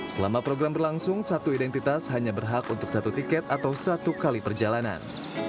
selama program berlangsung satu identitas hanya berhak untuk satu tiket atau satu kali perjalanan